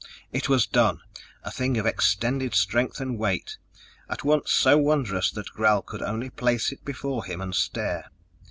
It was done! A thing of extended strength and weight, at once so wondrous that Gral could only place it before him and stare.